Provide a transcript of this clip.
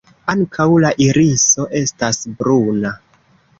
Ankaŭ la iriso estas bruna.